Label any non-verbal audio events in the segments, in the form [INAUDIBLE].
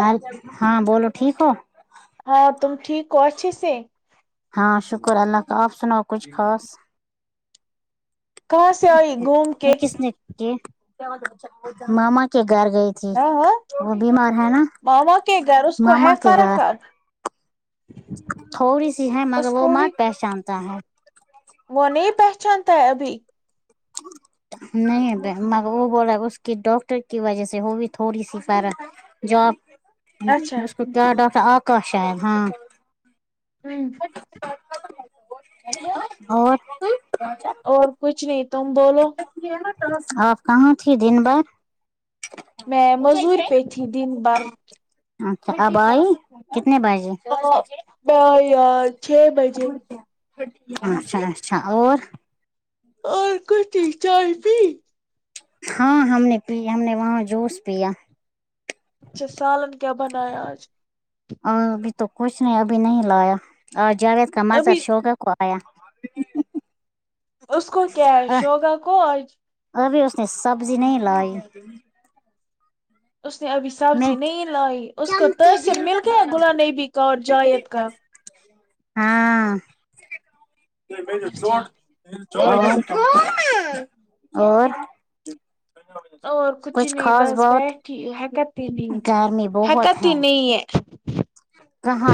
ہر ہاں بولو ٹھیک ہو ہاں تم ٹھیک اچھے سے ہاں شکر اللہ کا آپ سناؤ کچھ خاص کہاں سے آئی گھوم کے یہ کس نے ماما کے گھر گیی تھی ہاں ہاں وہ بیمار ہے نا ماما کے گھر اس کو ماما ہے کے گھر فرق اب، تھوڑی سی ہے مگر اس وہ کو مت بھی پہچانتا ہے وہ نہیں پہچانتا ہے ابھی نہیں بہن مگر وہ بول رہا ہے کی ڈاکٹر کی وجہ سے ہوگی تھوڑی سی پر جو آپ اچھا اس کو کیا ہوں، ڈاکا [UNINTELLIGIBLE] ہاں [UNINTELLIGIBLE] اور اور کچھ نہیں تم بولو آپ کہاں تھی دن بھر میں مزور پے تھی دن بھر اچھا اب آئی کتنے بجے ہاں میں یار چھ بجے اچھا اچھا اور اور کوئی چیز چائے پی ہاں ہم نے پی ہم نے وہاں جوس پیا اچھا سالن کیا بنایا آج آ ابھی تو کچھ نہیں ابھی نہیں لایا اور جاگید کا مذر ابھی شوگا کو آیا اس کو کیا ہے اہ، شوگا کو آج ابھی اس نے سبزی نہیں لائی اس نے ابھی میں سبزی نہیں لائی اس کو تثر مل گیا گلا نبی کا اور جائید کا ہاں [UNINTELLIGIBLE] اچھا اور [UNINTELLIGIBLE] اور اور کچھ نہیں خاص بس بات بیٹھی ہے کہ گرمی [UNINTELLIGIBLE] ہک بہت تی ہے نہیں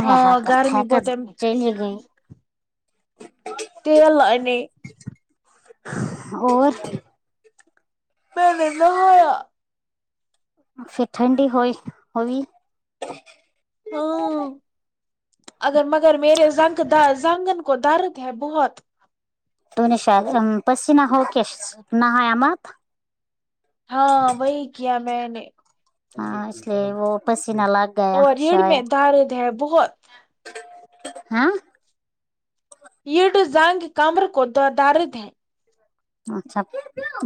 ہاں گرمی بہت ج گئی تیل انانے اور میں نے نہایا پھر ٹھنڈی ہوئی ہوی ہاں اگر مگر میرےن زنگن کو درد ہے بہت [UNINTELLIGIBLE] ہاں وہی کیا میں نے ہاں اس لیے وہ پسینہ لگ گیا اور ریڑ میں شاید دارد ہے بہت ہاں رڈ زانگ کمر کو ددارد ہیں اچھا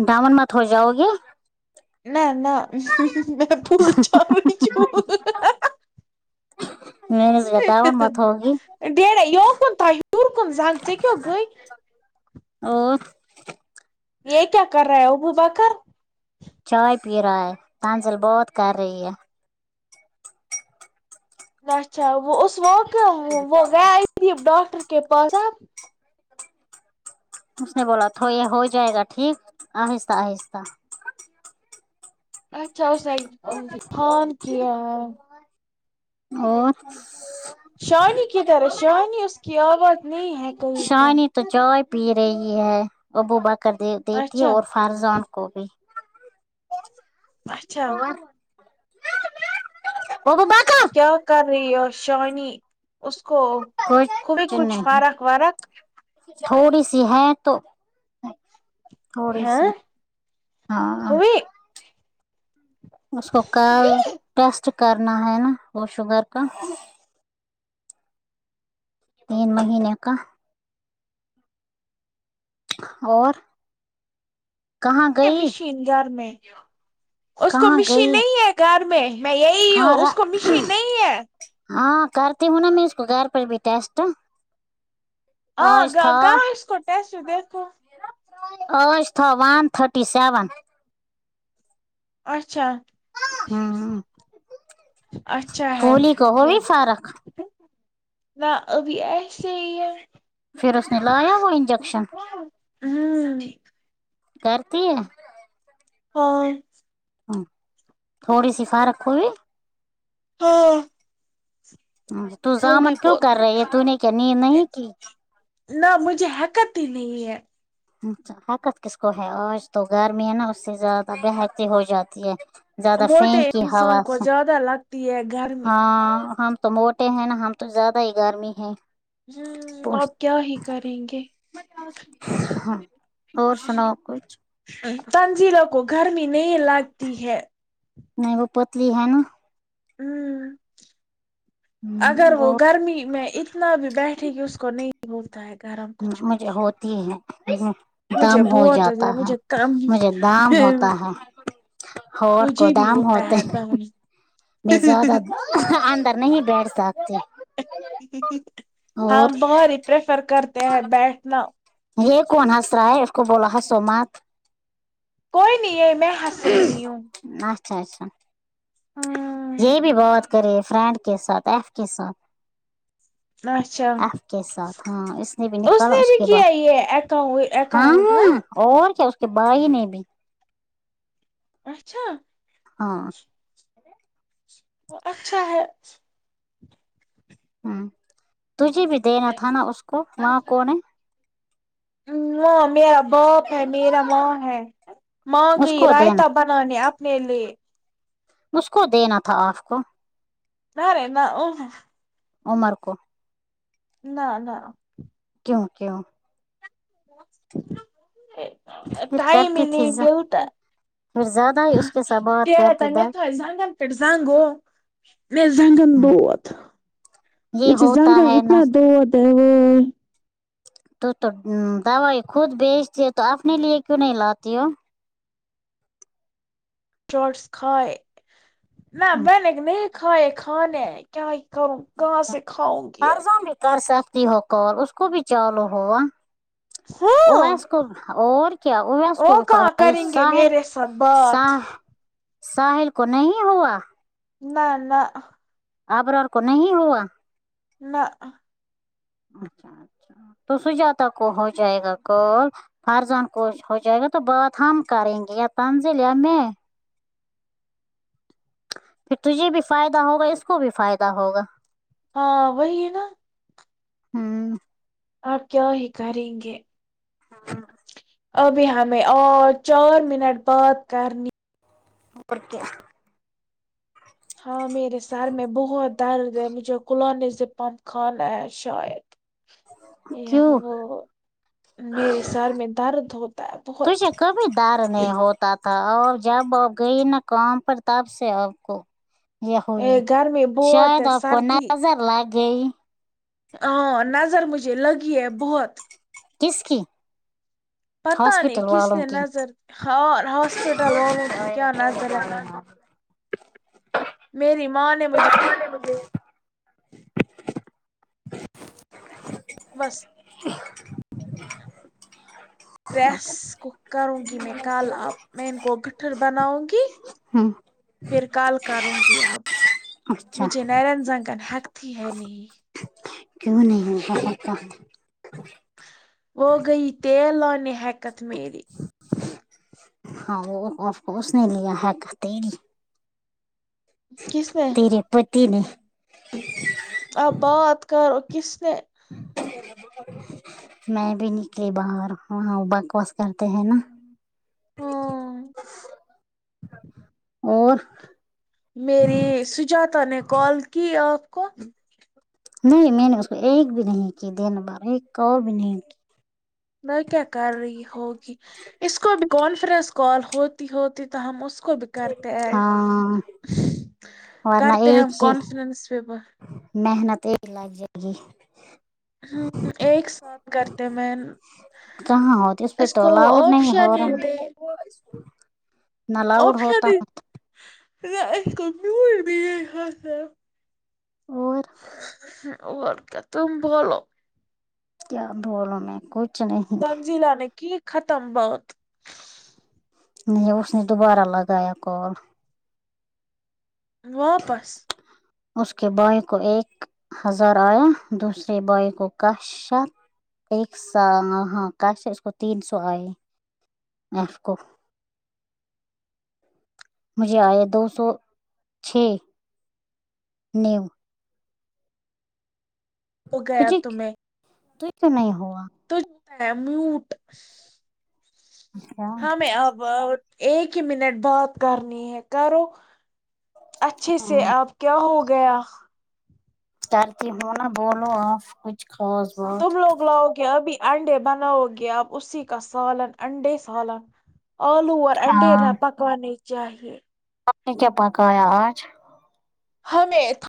دامن مت ہو جاؤ گے نہ نہ میں [UNINTELLIGIBLE] پول چ [UNINTELLIGIBLE] مت ہگی [UNINTELLIGIBLE] اور یہ کیا کر رہا ہے ابوبکر چائے پی رہا ہے تنزل بہت کر رہی ہے اچھا وہ ا وقع وہ گیا ڈاکٹر کے پاس آپ اس نے بولا تو یہ ہو جائے گا ٹھیک آہستہ آہستہ اچھا [UNINTELLIGIBLE] اسان کیا اور شانی کدھر ہے شانی اس کی آواز نہیں ہے کہئی شانی تو چائے پی رہی ہے ابو با کر د دیتی ہے اچھا اور فارضان کو بھی اچھا اور [UNINTELLIGIBLE] ابوبکر کیا کر رہی ہے شانی اس کو ہوی کچھ فرق ورق تھوڑی سی ہے تو تھوڑی ہے سی ہاں ہوئی اس کو کل ٹیسٹ کرنا ہے نا وہ شوگر کا تین مہینے کا اور کہاں گئی گھر میں اس کو کہاں مشین گئی نہیں ہے گھر میں میں یہی ہوں ہاں اس کو مشین نہیں ہے ہاں کرتی ہوں نا میں اس کو گھر پر بھی ٹیسٹ ہاں آج گا تھا کہا اس کو ٹیسٹ دیکھو اج تھا ون تھرٹی سیون اچھا آمم اچھا ہے گولی کو یہ ہویی فارک نہ ابھی ایسے ہی ہے پھر اس نے لایا وہ انجیکشن ہوں ہاں کرتی ہے اور ہاں تھوڑی سی فرق ہوئی ہاں تو زامن کیوں بہت کر رہی ہے تو نے کیا نیند نہیں کی نہ مجھے ہیکات ہی نہیں ہے اچھا حکت کس کو ہے آج تو گرمی ہے نا اس سے زیادہ بے حکتی ہو جاتی ہے زیادہ فین موٹے کی ہوا انسان کو سے زیادہ لگتی ہے گرمی ہاں ہم تو موٹے ہیں نا ہم تو زیادہ ہی گرمی ہے اب کیا ہی کریں گے ہاں اور سناؤ کچھ تنزیلوں کو گرمی نہیں لگتی ہے نہیں وہ پتلی ہے نا آمم اگر وہ گرمی میں اتنا بھی بیٹھے گی اس کو نہیں بولتا ہے گرم کچھ بھی مجھے ہوتی ہے دم مجھے ہو بہت جاتا گیا ہے مجھے کم مجھے دام ہوتا ہے ہور کو مجھے بھی دام ہوتا ہوتے ہے دم میں زیادہ اندر نہیں بیٹھ سکتی ہاں اور باہر ہی پریفر کرتے ہیں بیٹھنا یے کون ہنسرا ہے اس کو بولا ہے ہنسو مت کوئی نہیں ہے میں ہنس رہی اچھا اچھا ہاں یہی بھی بات کرے فرینڈ کے ساتھ ایف کے ساتھ اچھا آپ کے ساتھ ہاں اس نے بھی نکالا نے اس بھی کے کیا یہ اکاؤ بعد اکاؤنٹ ہاں اور کیا اس کے بھائی نے بھی اچھا ہاں اچھا ہے ہمم تجھے بھی دینا تھا نا اس کو وہاں کون ہے وہاں میرا باپ ہے میرا ماں ہے ماں اس گئی کو دینا رائتا بنا نانے آپنے لیے مجھ کو دینا تھا آف کو نہ رے نہ او عمر کو نہ نہ کیوں کیوں پھر ٹائم کرتی تھی نہیں ز... دیوتا پھر زیادہ ہی اس کے ساتھ بات کرتی در یہ ہوتا ہے نا [UNINTELLIGIBLE] [UNINTELLIGIBLE] تو تم دوائی خود بیچتی ہو تو اپنے لیے کیوں نہیں لاتی ہو شٹس کھاے نہ بینے گے نہیں کھانے کھانے کیا ہی کروں کہاں سے کھاؤں گی اب فرضاں بھی کر سکتی ہو کال اس کو بھی چالو ہوا ہاں اویس کو اور کیا ایس کو فر ساحل سب بات ساح ساحل کو نہیں ہوا نہ نہ ابرار اور کو نہیں ہوا نہ اچھا اچھا تو سجاتا کو ہو جائے گا کل فرزان کوش ہو جائے گا تو بات ہم کریں گے یا تنزلیں میں پھر تجھے بھی فائدہ ہوگا اس کو بھی فائدہ ہوگا ہاں وہی ہے نا ہوں آپ کیا ہی کریں گے ابھی ہمیں اور چار منٹ بات کرنی اوپر کیا ہاں میرے سر میں بہت درد ہے مجھے قلا نز پمپ کانا ہے شاید یہ کیوں وہ میرے سر میں درد ہوتا ہے بہت ڈر نہیں ہوتا تھا اور جب ا گئی ن کام پر تب سے آپکو یہ ھوئ گھر میں بہت شاید ہے آپ کو سردی نظر لگ گئی ہاں نظر مجھے لگی ہے بہت کس کی پتہ نہیں ہاسپٹل والوں کسنے کی نظر ہ ہاسپٹل والوں کے کیا نظر ح میری ماں نے مجھے بے بے بس پریس کو کروں گی میں کل آپ میں ان کو گٹھر بناؤں گی ہوں پھر کال کروں گی اب اچھا مجھے نرین زنگ ن ہیک تھی ہے نہیں کیوں نہیں ہوتا وہ گی تیل لانے ہیکت میری ہاں وہ افس نے لی ا ہے کہ ت ہی کس نے تیرے پتی نے آ بات کرو کس نے ج بہت میں بھی نکلی باہر ہاں بکواس کرتے ہیں نا ہاں اور میری سجاتا نے کال کی آپ کو نہیں میں نے اس کو ایک بھی نہیں کی دن بر ایک کال بھی نہیں کی میں کیا کر رہی ہوگی اس کو بھی کانفرنس کال ہو تی تو ہم اس کو بھی کرتے ایڈ ہاں ورنہ کرتے ایک ہم ہی کانفرنس پے بات محنت یہ لگ جائے گی ہوں ایک ساتھ کرتے مہ میں کہاں ہوتی پہ اس تو کو الاؤڈ نہیں ہو آپشن رہا نہ الاؤڈ اس ہوتا ہے کو کچھ بھی نہیں ہوتا اور اور کیا تم بولو کیا بولوں میں کچھ نہیں سنزیلا نے کی ختم بات لو اس نے دوبارہ لگایا کال واپس اس کے بھائی کو ایک ہزار آیا دوسرے بھائی کو [UNINTELLIGIBLE] ایک سا ہاں کاشف کو تین سو آئے اس کو مجھے آیا دو سو چھ [UNINTELLIGIBLE] ہو گیا پیچک تمہیں تو نہیں ہوا تو ڈیمد ہمیں اب ب ایک ہی منٹ بات کرنی ہے کرو اچھے تھے ہاں اب کیا ہو گیا ڈرتی ہونا بولو آپ کچھ خاض تم لوگ لاؤ گے ابھی انڈے بناؤ گے آپ اسی کا سالن انڈے سالن آلو اور انڈے [UNINTELLIGIBLE] آپ نے کیا پکایا آج ہم نے تو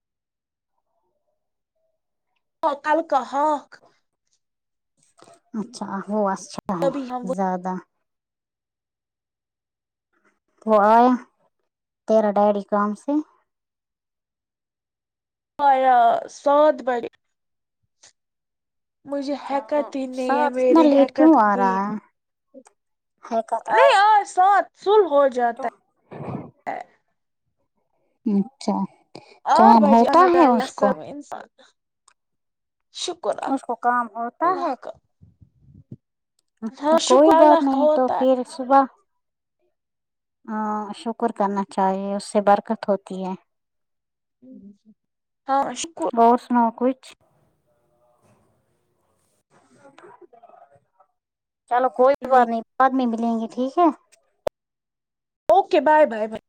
کل کا [UNINTELLIGIBLE] اچھا تبھی ہم [UNINTELLIGIBLE] وہ زیادہ وہ آیا تیرا ڈیڈی کام سے آیا سات بجے مجھے حیکت ہی نہیں ہے سات اتنا میری لیٹ کیوں حیکت آ کی رہا ہے حقت نہیں آئی آ سات [UNINTELLIGIBLE] ہو جائے تو اچھا آٹھ کام بجے ہوتا ہے اس کو [UNINTELLIGIBLE] شکر ہے اس کو کام ہوتا اللہ کا اچھا ہاں کوئی شکر بات اللہ کا نہیں تو ہوتا ہے پھر صبح ہاں شکر کرنا چاہیے اس سے برکت ہوتی ہے ہاں شکر اور سناؤ کچھ [UNINTELLIGIBLE] چلو کوئی بات نہیں بعد میں ملیں گے ٹھیک ہے اوکے بائے بائے بائے